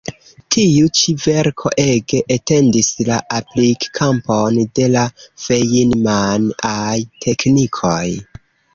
Tiu ĉi verko ege etendis la aplik-kampon de la Feinman-aj teknikoj.